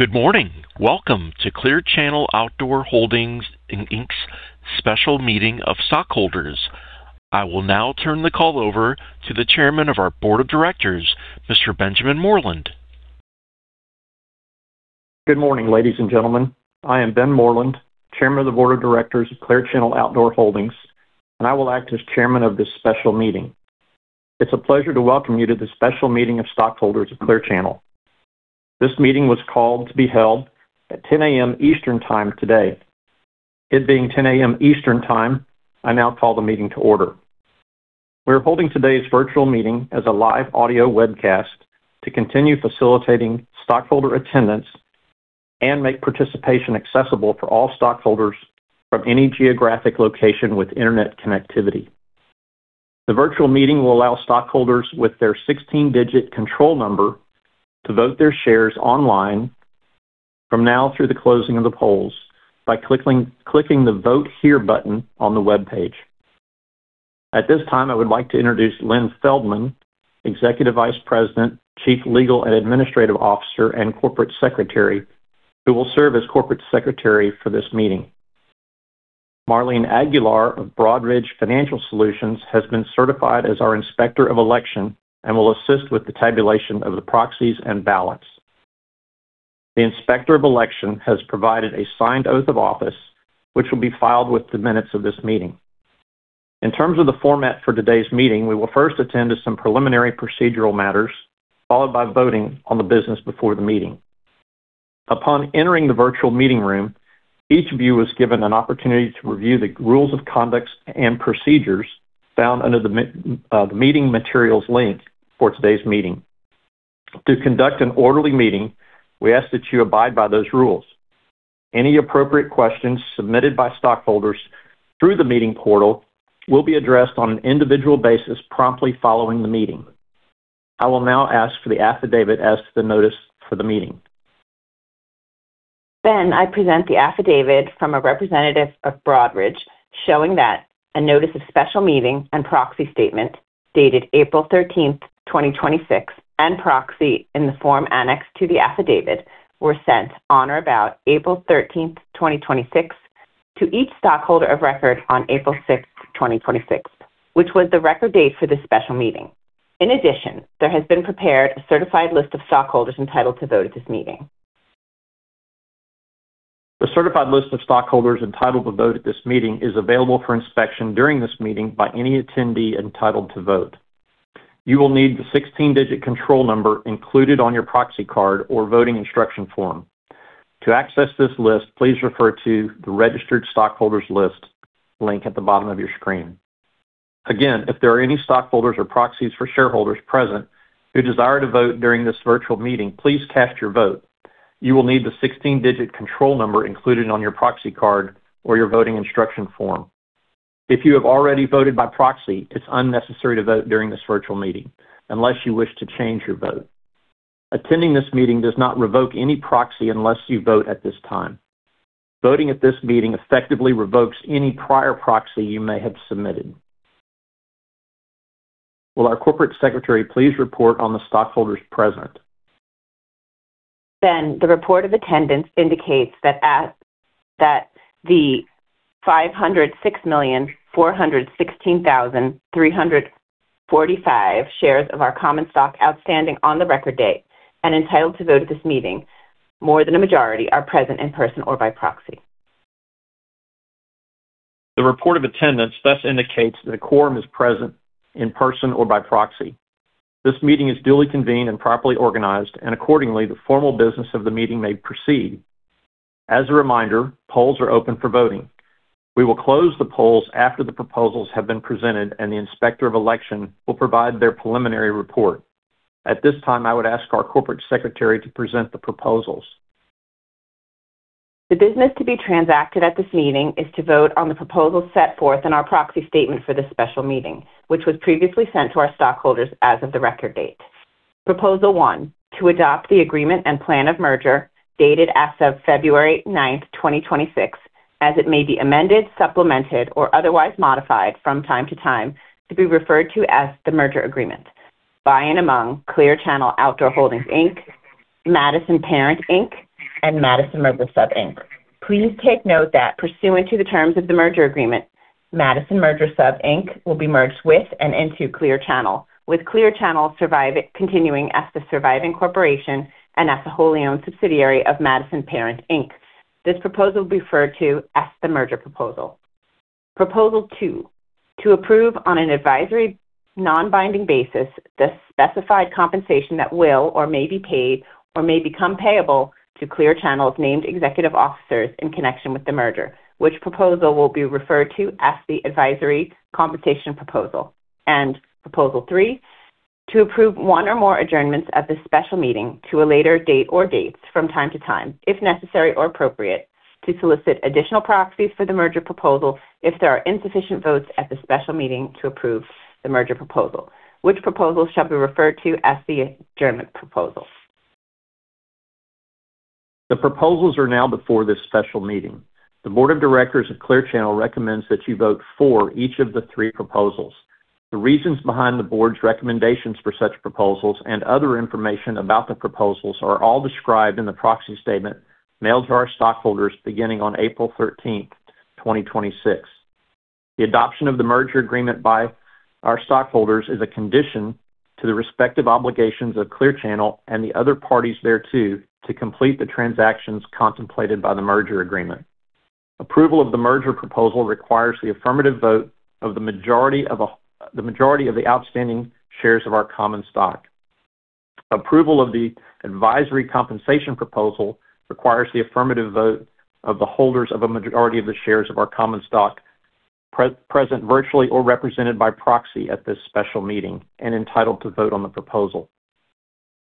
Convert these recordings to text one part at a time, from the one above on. Good morning. Welcome to Clear Channel Outdoor Holdings, Inc.'s special meeting of stockholders. I will now turn the call over to the Chairman of our Board of Directors, Mr. Benjamin Moreland. Good morning, ladies and gentlemen. I am Ben Moreland, Chairman of the Board of Directors of Clear Channel Outdoor Holdings, and I will act as chairman of this special meeting. It's a pleasure to welcome you to the special meeting of stockholders of Clear Channel. This meeting was called to be held at 10:00 A.M. Eastern Time today. It being 10:00 A.M. Eastern Time, I now call the meeting to order. We're holding today's virtual meeting as a live audio webcast to continue facilitating stockholder attendance and make participation accessible for all stockholders from any geographic location with internet connectivity. The virtual meeting will allow stockholders with their 16-digit control number to vote their shares online from now through the closing of the polls by clicking the Vote Here button on the webpage. At this time, I would like to introduce Lynn Feldman, Executive Vice President, Chief Legal and Administrative Officer, and Corporate Secretary, who will serve as Corporate Secretary for this meeting. Marlene Aguilar of Broadridge Financial Solutions has been certified as our Inspector of Election and will assist with the tabulation of the proxies and ballots. The Inspector of Election has provided a signed oath of office, which will be filed with the minutes of this meeting. In terms of the format for today's meeting, we will first attend to some preliminary procedural matters, followed by voting on the business before the meeting. Upon entering the virtual meeting room, each of you was given an opportunity to review the rules of conduct and procedures found under the meeting materials link for today's meeting. To conduct an orderly meeting, we ask that you abide by those rules. Any appropriate questions submitted by stockholders through the meeting portal will be addressed on an individual basis promptly following the meeting. I will now ask for the affidavit as to the notice for the meeting. Ben, I present the affidavit from a representative of Broadridge showing that a notice of special meeting and proxy statement dated April 13th, 2026, and proxy in the form annexed to the affidavit were sent on or about April 13th, 2026, to each stockholder of record on April 6th, 2026, which was the record date for this special meeting. In addition, there has been prepared a certified list of stockholders entitled to vote at this meeting. The certified list of stockholders entitled to vote at this meeting is available for inspection during this meeting by any attendee entitled to vote. You will need the 16-digit control number included on your proxy card or voting instruction form. To access this list, please refer to the registered stockholders list link at the bottom of your screen. Again, if there are any stockholders or proxies for shareholders present who desire to vote during this virtual meeting, please cast your vote. You will need the 16-digit control number included on your proxy card or your voting instruction form. If you have already voted by proxy, it's unnecessary to vote during this virtual meeting unless you wish to change your vote. Attending this meeting does not revoke any proxy unless you vote at this time. Voting at this meeting effectively revokes any prior proxy you may have submitted. Will our Corporate Secretary please report on the stockholders present? Ben, the report of attendance indicates that the 506,416,345 shares of our common stock outstanding on the record date and entitled to vote at this meeting, more than a majority are present in person or by proxy. The report of attendance thus indicates that a quorum is present in person or by proxy. This meeting is duly convened and properly organized, and accordingly, the formal business of the meeting may proceed. As a reminder, polls are open for voting. We will close the polls after the proposals have been presented, and the Inspector of Election will provide their preliminary report. At this time, I would ask our Corporate Secretary to present the proposals. The business to be transacted at this meeting is to vote on the proposals set forth in our proxy statement for this special meeting, which was previously sent to our stockholders as of the record date. Proposal one, to adopt the agreement and plan of merger dated as of February 9th, 2026, as it may be amended, supplemented, or otherwise modified from time to time to be referred to as the merger agreement by and among Clear Channel Outdoor Holdings, Inc., Madison Parent, Inc., and Madison Merger Sub, Inc. Please take note that pursuant to the terms of the merger agreement, Madison Merger Sub, Inc. will be merged with and into Clear Channel, with Clear Channel continuing as the surviving corporation and as a wholly-owned subsidiary of Madison Parent, Inc. This proposal will be referred to as the merger proposal. Proposal two, to approve on an advisory non-binding basis the specified compensation that will or may be paid or may become payable to Clear Channel's named executive officers in connection with the merger. Which proposal will be referred to as the advisory compensation proposal. Proposal three, to approve one or more adjournments at this special meeting to a later date or dates from time to time, if necessary or appropriate, to solicit additional proxies for the merger proposal if there are insufficient votes at the special meeting to approve the merger proposal. Which proposal shall be referred to as the adjournment proposal. The proposals are now before this special meeting. The board of directors of Clear Channel Outdoor recommends that you vote for each of the three proposals. The reasons behind the board's recommendations for such proposals and other information about the proposals are all described in the proxy statement mailed to our stockholders beginning on April 13th, 2026. The adoption of the merger agreement by our stockholders is a condition to the respective obligations of Clear Channel Outdoor and the other parties thereto to complete the transactions contemplated by the merger agreement. Approval of the merger proposal requires the affirmative vote of the majority of the outstanding shares of our common stock. Approval of the advisory compensation proposal requires the affirmative vote of the holders of a majority of the shares of our common stock present, virtually, or represented by proxy at this special meeting and entitled to vote on the proposal.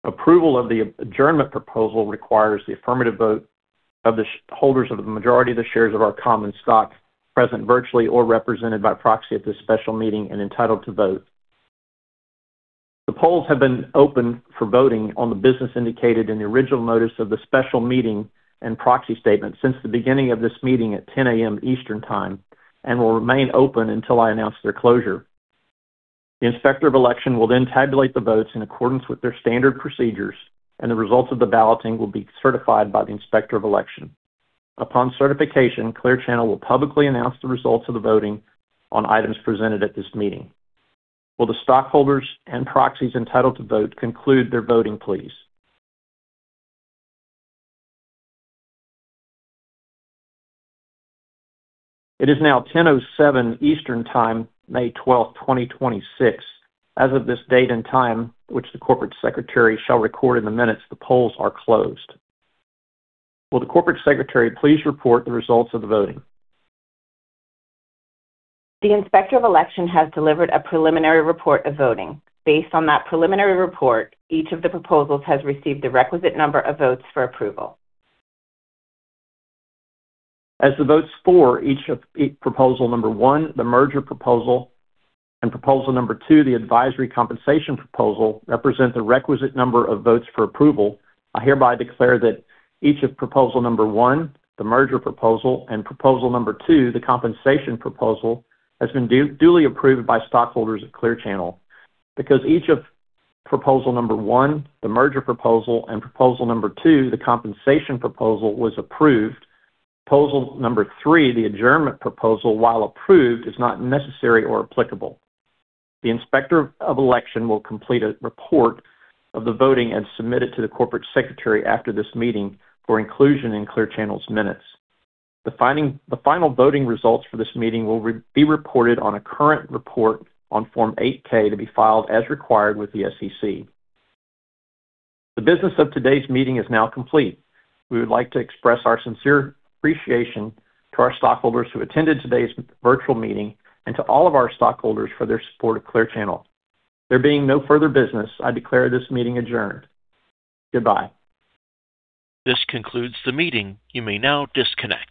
Approval of the adjournment proposal requires the affirmative vote of the holders of the majority of the shares of our common stock present virtually or represented by proxy at this special meeting and entitled to vote. The polls have been open for voting on the business indicated in the original notice of the special meeting and proxy statement since the beginning of this meeting at 10:00 A.M. Eastern Time and will remain open until I announce their closure. The Inspector of Election will tabulate the votes in accordance with their standard procedures, and the results of the balloting will be certified by the Inspector of Election. Upon certification, Clear Channel will publicly announce the results of the voting on items presented at this meeting. Will the stockholders and proxies entitled to vote conclude their voting, please? It is now 10:07 A.M. Eastern Time, May 12th, 2026. As of this date and time, which the Corporate Secretary shall record in the minutes, the polls are closed. Will the Corporate Secretary please report the results of the voting? The Inspector of Election has delivered a preliminary report of voting. Based on that preliminary report, each of the proposals has received the requisite number of votes for approval. As the votes for each of proposal number one, the merger proposal, and proposal number two, the advisory compensation proposal, represent the requisite number of votes for approval, I hereby declare that each of proposal number one, the merger proposal, and proposal number two, the compensation proposal, has been duly approved by stockholders of Clear Channel. Because each of proposal number one, the merger proposal, and proposal number two, the compensation proposal, was approved, proposal number three, the adjournment proposal, while approved, is not necessary or applicable. The Inspector of Election will complete a report of the voting and submit it to the corporate secretary after this meeting for inclusion in Clear Channel's minutes. The final voting results for this meeting will be reported on a current report on Form 8-K to be filed as required with the SEC. The business of today's meeting is now complete. We would like to express our sincere appreciation to our stockholders who attended today's virtual meeting and to all of our stockholders for their support of Clear Channel. There being no further business, I declare this meeting adjourned. Goodbye. This concludes the meeting. You may now disconnect.